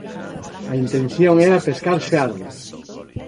A intención era pescar xarda.